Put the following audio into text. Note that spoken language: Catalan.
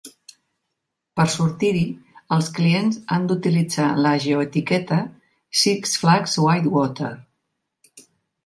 Per sortir-hi, els clients han d'utilitzar la geoetiqueta "Six Flags White Water".